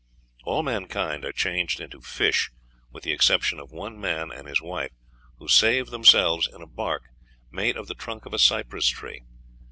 All mankind are changed into fish, with the exception of one man and his wife, who save themselves in a bark made of the trunk of a cypress tree.